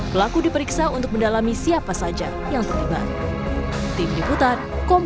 pelaku diperiksa untuk mendalami siapa saja yang terlibat